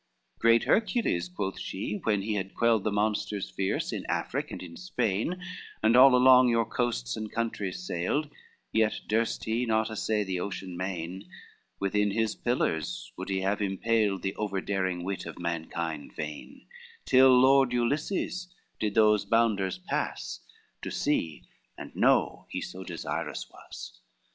XXV "Great Hercules," quoth she, "when he had quailed The monsters fierce in Afric and in Spain, And all along your coasts and countries sailed, Yet durst he not assay the ocean main, Within his pillars would he have impaled The overdaring wit of mankind vain, Till Lord Ulysses did those bounders pass, To see and know he so desirous was.